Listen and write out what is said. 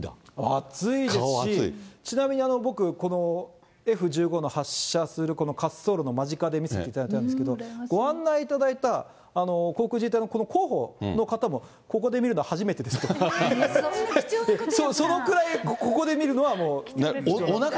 熱いですし、ちなみに僕、このＦ１５の発射する、この滑走路の間近で見せていただいたんですけれども、ご案内いただいた航空自衛隊のこの広報の方も、ここで見るの初めてですって、そのくらい、ここで見るのはもう。